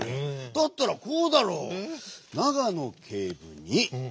だったらこうだろう！